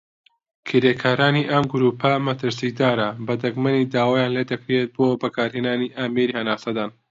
کرێکارانی ئەم گرووپە مەترسیدارە بە دەگمەنی داوایان لێدەکرێت بۆ بەکارهێنانی ئامێری هەناسەدان.